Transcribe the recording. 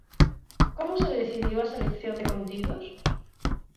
Como se decidiu a selección de contidos?